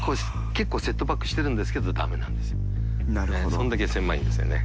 それだけ狭いんですよね。